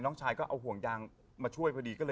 น้องชายก็เอาห่วงยางมาช่วยตาม